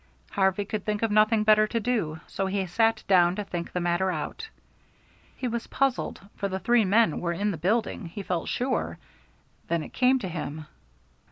Harvey could think of nothing better to do, so he sat down to think the matter out. He was puzzled, for the three men were in the building, he felt sure. Then it came to him.